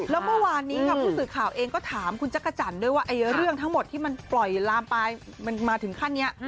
แล้วเมื่อวานนี้ค่ะผู้สื่อข่าวเองก็ถามคุณจักรจันทร์ด้วยว่าเรื่องทั้งหมดที่มันปล่อยลามไปมันมาถึงขั้นนี้